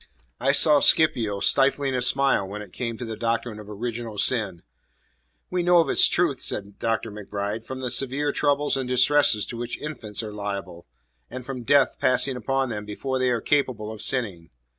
I saw Scipio stifling a smile when it came to the doctrine of original sin. "We know of its truth," said Dr. MacBride, "from the severe troubles and distresses to which infants are liable, and from death passing upon them before they are capable of sinning."